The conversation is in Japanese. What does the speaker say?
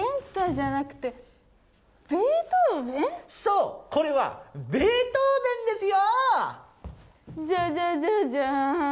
そうこれはベートーベンですよ！